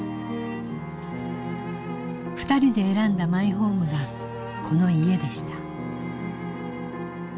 ２人で選んだマイホームがこの家でした。